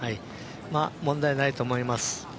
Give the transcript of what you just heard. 問題ないと思います。